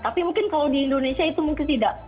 tapi mungkin kalau di indonesia itu mungkin tidak